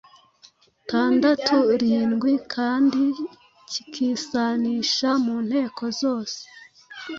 tandatu, -rindwi, kandi kikisanisha mu nteko zose.